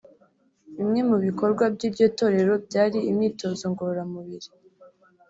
Bimwe mu bikorwa by’iryo torero byari imyitozo ngororamubiri